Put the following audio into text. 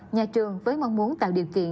nhà trường với mong muốn tạo điều kiện